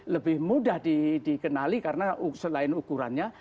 lebih mudah dikenali karena selain ukurannya